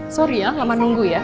sorry ya lama nunggu ya